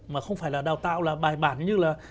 mà không phải là đào tạo là bài bản như là